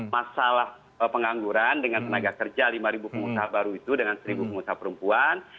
masalah pengangguran dengan tenaga kerja lima pengusaha baru itu dengan seribu pengusaha perempuan